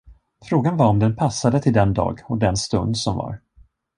Frågan var om den passade till den dag och den stund som var?